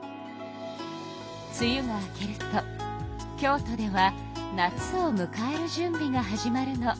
つゆが明けると京都では夏をむかえるじゅんびが始まるの。